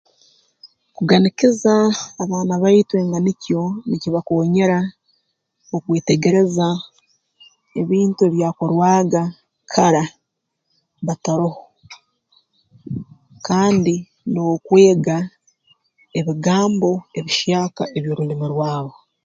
Kuganikiza abaana baitu enganikyo nikibakoonyera okwetegereza ebintu ebyakorwaga kara bataroho kandi n'okwega ebigambo ebihyaka eby'orulimu rwabo